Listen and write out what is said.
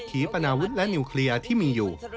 ีปนาวุฒิและนิวเคลียร์ที่มีอยู่